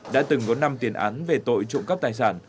đã từng có năm tiền án về tội trộm cắp tài sản